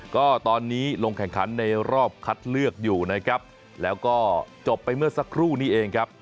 ก็ตอนนี้ลงแข่งขันในรอบคัดเลือกอยู่นะครับแล้วก็จบไปเมื่อสักครู่นี้เองครับ